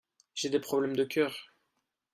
J'ai des problèmes de cœur.